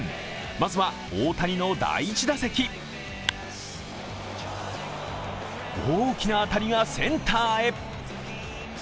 まずは大谷の第１打席大きな当たりがセンターへ。